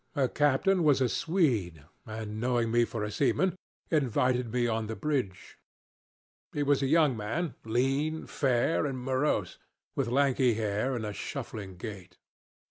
Her captain was a Swede, and knowing me for a seaman, invited me on the bridge. He was a young man, lean, fair, and morose, with lanky hair and a shuffling gait.